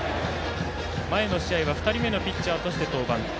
前の試合は２人目のピッチャーとして登板。